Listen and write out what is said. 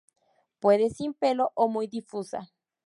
Puede sin pelo o muy difusa.